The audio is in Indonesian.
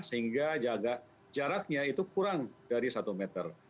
sehingga jaraknya itu kurang dari satu meter